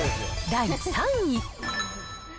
第３位。